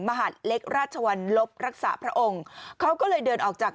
มหาดเล็กราชวรรลบรักษาพระองค์เขาก็เลยเดินออกจาก